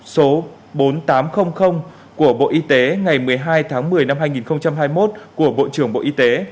số bốn nghìn tám trăm linh của bộ y tế ngày một mươi hai tháng một mươi năm hai nghìn hai mươi một của bộ trưởng bộ y tế